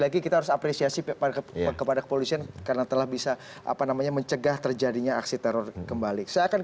lagi kita harus apresiasi pada kepada kepolisian karena telah bisa apa namanya mencegah terjadinya aksi teror kembali saya akan